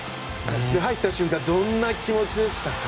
入った瞬間どんな気持ちでしたか？